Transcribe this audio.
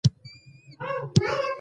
تېل زیرمه ده.